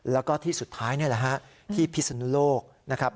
แล้วก็ที่สุดท้ายนี่แหละฮะที่พิศนุโลกนะครับ